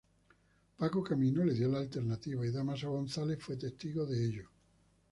Paco Camino le dio la alternativa y Dámaso González fue testigo de ello.